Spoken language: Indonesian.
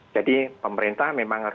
jadi pemerintah memang harus